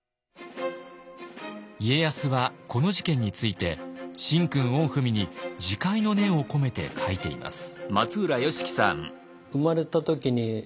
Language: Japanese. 家康はこの事件について「神君御文」に自戒の念を込めて書いています。